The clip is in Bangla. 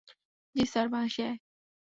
জি স্যার - বানশি আয়।